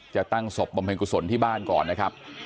จะตั้งศพบำเพ็ญกุศลที่บ้านก่อนนะครับ